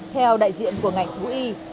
theo đại diện của ngành thú y